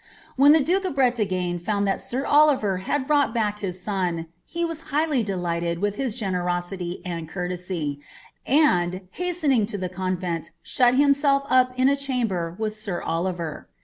When the duke of Drelagne found that sir Oliver had brought back his son, he was higMy delighted with his genen>aily and courteBv, and, hastening to the convent, shut himself up in a chamber with sir Oliver.